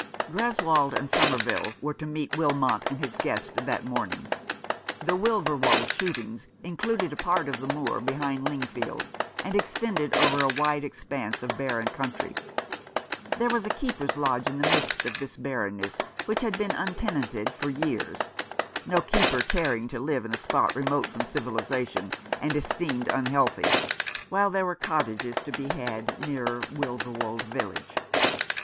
Greswold and Somerville were to meet Wilmot and his guest that morning. The Wilverwold shootings included a part of the moor behind Lingfield, and extended over a wide expanse of barren country. There was a keeper's lodge in the midst of this .barrenness which had been untenanted for years, no keeper caring to live in a spot remote from civilization, and esteemed unhealthy, while there were cottages to be had nearer Wilverwold village.